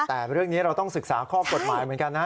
แต่เรื่องนี้เราต้องศึกษาข้อกฎหมายเหมือนกันนะฮะ